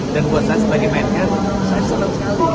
dan buat saya sebagai menuh saya senang sekali